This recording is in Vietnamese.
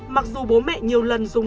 mặc dù bố mẹ nhiều lần dùng